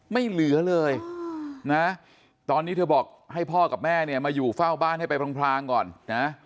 ไม่เหลือเลยนะตอนนี้เธอบอกให้พ่อกับแม่เนี่ยมาอยู่เฝ้าบ้านให้ไปพรางก่อนนะ